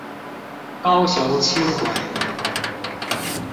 高雄輕軌